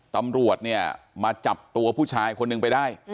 ตำรวจเนี่ยมาจับตัวผู้ชายคนหนึ่งไปได้